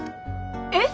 えっ？